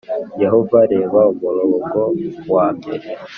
Yehova reba umurongo wa mbere